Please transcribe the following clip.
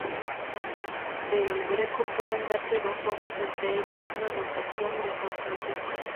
De El Greco pueden verse dos obras, entre ellas, una "Anunciación de San Francisco".